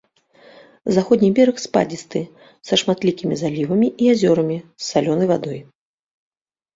Заходні бераг спадзісты, са шматлікімі залівамі і азёрамі з салёнай вадой.